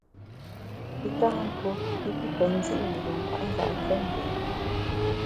I tâ tuo i pe ndi’ me yin kwet njap fe ndé.